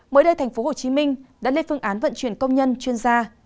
mới đây tp hcm đã lên phương án vận chuyển công nhân chuyên gia